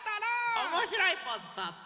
おもしろいポーズとって。